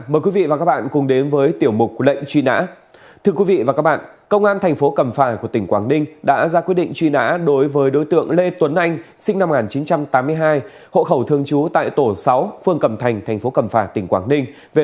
mời quý vị và các bạn cùng đến với bộ phim hãy nhớ like share và đăng ký kênh của chúng mình nhé